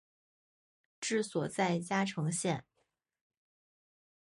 治所在嘉诚县。